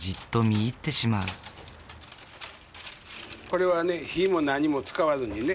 これはね火も何も使わずにね編む。